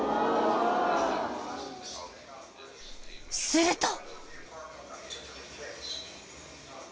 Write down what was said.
すると。